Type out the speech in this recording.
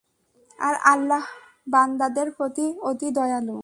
আর আল্লাহ বান্দাদের প্রতি অতি দয়ালু।